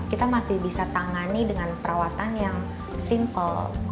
kita masih bisa tangani dengan perawatan yang simple